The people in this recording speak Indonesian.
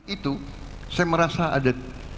itu saya merasa ada